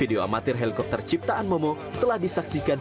video amatir helikopter ciptaan momo telah disaksikan